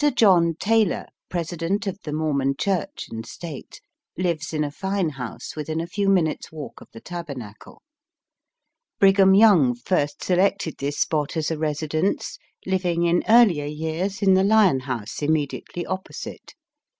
John Taylor, President of the Mormon Church and State, lives in a fine house within a few minutes' walk of the Tabernacle. Brig ham Young first selected this spot as a residence, living in earlier years in the Lion House immediately opposite.